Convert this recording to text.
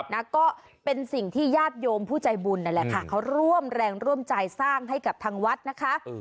นะก็เป็นสิ่งที่ญาติโยมผู้ใจบุญนั่นแหละค่ะเขาร่วมแรงร่วมใจสร้างให้กับทางวัดนะคะ